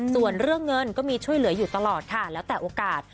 ส่วนเรื่องเงินก็มีช่วยเหลืออยู่ตลอดค่ะแล้วแต่โอกาส